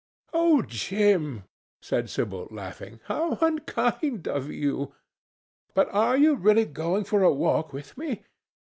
"Oh, Jim!" said Sibyl, laughing, "how unkind of you! But are you really going for a walk with me?